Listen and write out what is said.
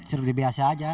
seperti biasa aja